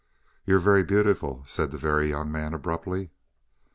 "You're very beautiful," said the Very Young Man abruptly.